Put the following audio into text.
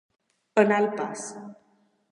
Anar al pas.